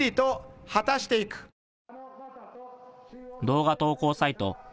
動画投稿サイト